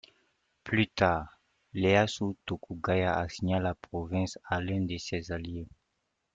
Plus tard, Ieyasu Tokugawa assigna la province à l'un de ses alliés.